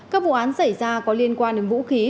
các vụ án xảy ra có liên quan đến vũ khí